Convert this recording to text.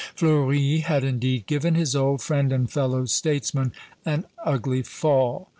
Fleuri had indeed given his old friend and fellow statesman an ugly fall.